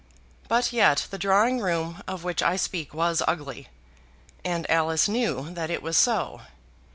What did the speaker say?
But yet the drawing room of which I speak was ugly, and Alice knew that it was so.